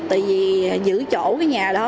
tại vì giữ chỗ cái nhà đó